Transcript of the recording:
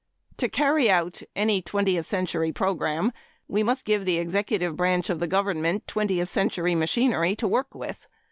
To carry out any twentieth century program, we must give the Executive branch of the government twentieth century machinery to work with.